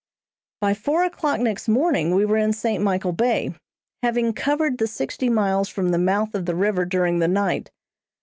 By four o'clock next morning we were in St. Michael Bay, having covered the sixty miles from the mouth of the river during the night.